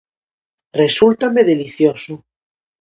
Resúltame delicioso.